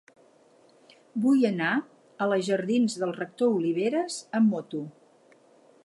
Vull anar a la jardins del Rector Oliveras amb moto.